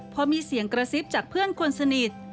พอมีเสียงกระซิบจากเพื่อนคนสนิท